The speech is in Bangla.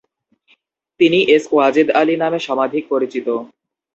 তিনি এস ওয়াজেদ আলি নামে সমধিক পরিচিত।